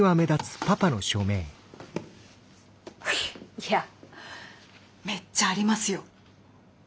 いやめっちゃありますよ。